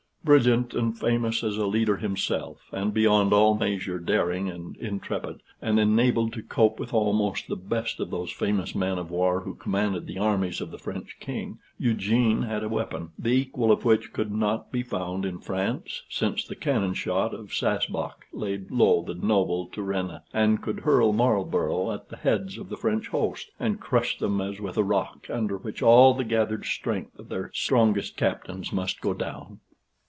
Brilliant and famous as a leader himself, and beyond all measure daring and intrepid, and enabled to cope with almost the best of those famous men of war who commanded the armies of the French King, Eugene had a weapon, the equal of which could not be found in France, since the cannon shot of Sasbach laid low the noble Turenne, and could hurl Marlborough at the heads of the French host, and crush them as with a rock, under which all the gathered strength of their strongest captains must go down.